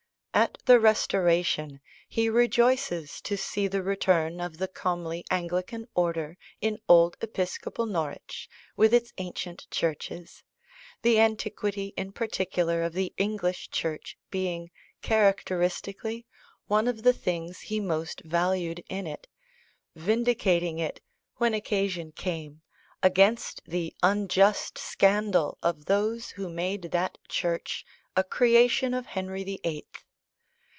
At the Restoration he rejoices to see the return of the comely Anglican order in old episcopal Norwich, with its ancient churches; the antiquity, in particular, of the English Church being, characteristically, one of the things he most valued in it, vindicating it, when occasion came, against the "unjust scandal" of those who made that Church a creation of Henry the Eighth.